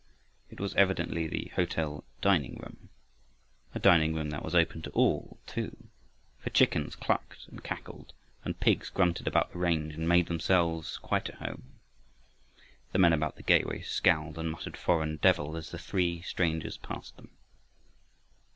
It was evidently the hotel dining room; a diningroom that was open to all too, for chickens clucked and cackled and pigs grunted about the range and made themselves quite at home. The men about the gateway scowled and muttered "Foreign devil," as the three strangers passed them.